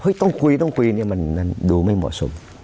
ต้องคุยต้องคุยเนี่ยมันดูไม่เหมาะสม